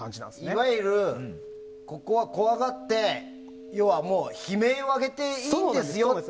いわゆる、ここは怖がってもう悲鳴を上げていいんですよと。